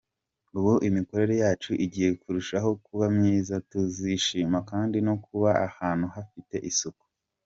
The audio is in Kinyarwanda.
Ubu imikorere yacu igiye kurushaho kuba myiza, tuzishima kandi no kuba ahntu hafite isuku.